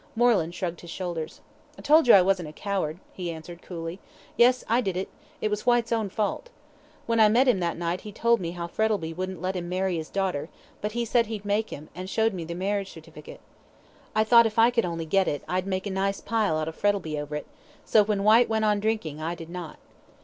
Moreland shrugged his shoulders. "I told you I wasn't a coward," he answered, coolly. "Yes, I did it; it was Whyte's own fault. When I met him that night he told me how Frettlby wouldn't let him marry his daughter, but said he'd make him, and showed me the marriage certificate. I thought if I could only get it I'd make a nice little pile out of Frettlby over it; so when Whyte went on drinking I did not.